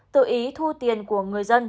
tự ý thu tiền của người dân